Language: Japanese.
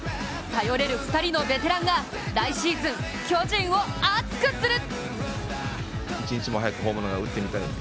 頼れる２人のベテランが来シーズン、巨人を熱くする！